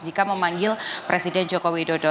jika memanggil presiden jokowi dodo